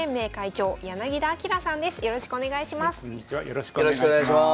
よろしくお願いします。